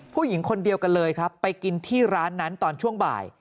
ผู้หญิงคนเดียวกันเลยครับไปกินที่ร้านนั้นตอนช่วงบ่าย